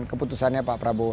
itu keputusannya pak prabowo